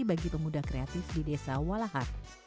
bagi pemuda kreatif di desa walahar